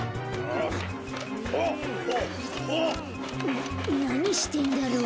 ななにしてんだろ？